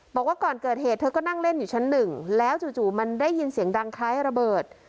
บอกว่าก่อนเกิดเหตุเธอก็นั่งเล่นอยู่ชั้นหนึ่งแล้วจู่มันได้ยินเสียงดังคล้ายระเบิด